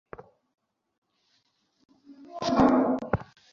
রাহুল খান্না কখনো কাউকে ভয় পায় না।